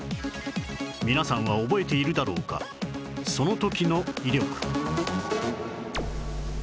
皆さんは覚えているだろうかその時の威力